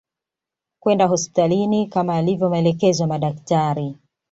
kwenda hospitalini kama yalivyo maelekezo ya madaktari